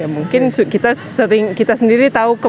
mungkin kita sendiri tahu